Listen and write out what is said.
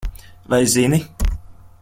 Vai zini?